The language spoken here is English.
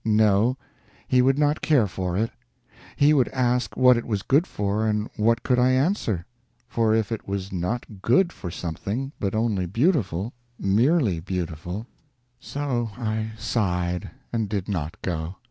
No he would not care for it. He would ask what it was good for, and what could I answer? for if it was not _good _for something, but only beautiful, merely beautiful So I sighed, and did not go.